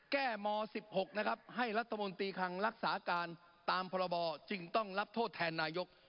แก้ม๑๖นะครับให้รัฐมนตรีคังรักษาการตามพรบจึงต้องรับโทษแทนนายก